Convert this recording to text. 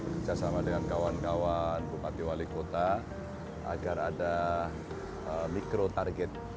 kerjasama dengan kawan kawan bupati wali kota agar ada mikro target